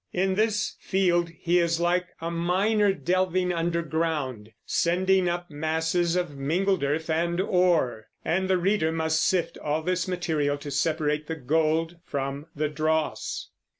In this field he is like a miner delving underground, sending up masses of mingled earth and ore; and the reader must sift all this material to separate the gold from the dross.